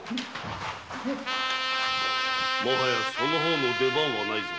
もはやその方の出番はないぞ。